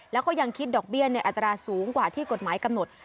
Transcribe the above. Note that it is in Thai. แล้วก็ยังคิดดอกเบี้ยในอัตราสูงกว่าที่กฎหมายกำหนด